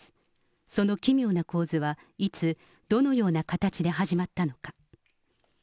その奇妙な構図は、いつ、どのような形で始まったのか。